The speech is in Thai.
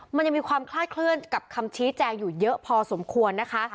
มันยังมีความคลาดเคลื่อนกับคำชี้แจงอยู่เยอะพอสมควรนะคะ